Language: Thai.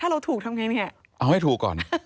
เอาให้ถูกก่อน